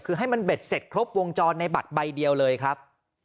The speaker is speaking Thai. คือให้มันเบ็ดเสร็จครบวงจรในบัตรใบเดียวเลยครับ